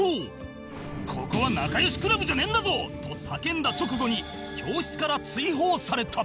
「ここは仲良しクラブじゃねえんだぞ！」と叫んだ直後に教室から追放された